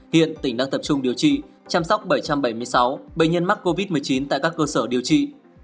hiện tỉnh đang tập trung điều trị chăm sóc bảy trăm bảy mươi sáu bệnh nhân mắc covid một mươi chín tại các cơ sở điều trị